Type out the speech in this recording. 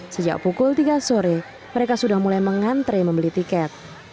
sejak pukul tiga sore mereka sudah mulai mengantre membeli tiket